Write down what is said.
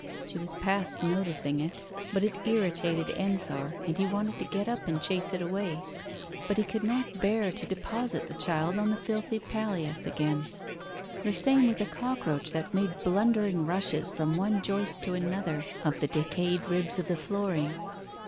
She was past noticing it, but it irritated Ensor and he wanted to get up and chase it away. But he could not bear to deposit the child on the filthy palliasse again. The same with a cockroach that made blundering rushes from one joist to another of the decayed ribs of the flooring.